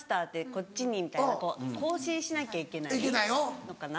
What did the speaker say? こっちにみたいなこう更新しなきゃいけないのかな。